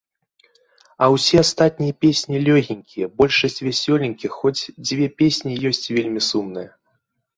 А ўсе астатнія песні лёгенькія, большасць вясёленькіх, хоць, дзве песні ёсць вельмі сумныя.